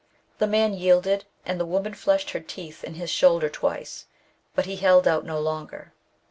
The man yielded, and the woman fleshed her teeth in his shoulder twice ; but he held out no longer.